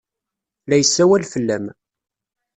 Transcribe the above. La yessawal fell-am.